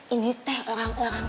ini teh orang orang